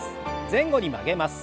前後に曲げます。